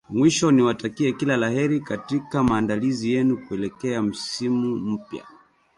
Mwisho niwatakie kila la kheri katika maandalizi yenu kuelekea msimu mpya